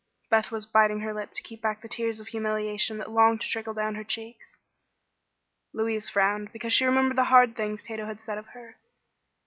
Beth was biting her lip to keep back the tears of humiliation that longed to trickle down her cheeks. Louise frowned because she remembered the hard things Tato had said of her.